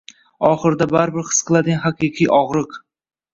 Oxirida baribir his qiladigan haqiqiy og’rig’